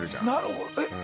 なるほど。